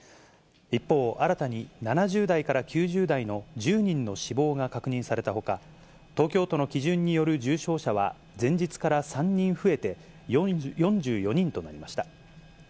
一方、新たに７０代から９０代の１０人の死亡が確認されたほか、東京都の基準による重症者は、前日から３人増えて４４人となりました。